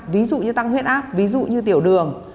ví dụ như tăng huyết áp ví dụ như tiểu đường